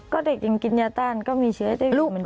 ก็เด็กยังกินยาต้านก็มีเชื้อไอตะวีเหมือนเดิม